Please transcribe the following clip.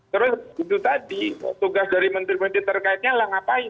terus itu tadi tugas dari menteri menteri terkaitnya lah ngapain